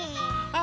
「あ！」